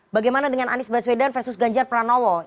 bagaimana dengan anies baswedan versus ganjar pranowo